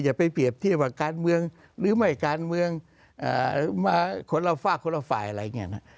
อย่าไปเปรียบเทียบว่าการเมืองหรือไม่การเมืองมาคนละฝากคนละฝ่ายอะไรอย่างนี้นะ